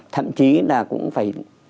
thậm chí là cũng phải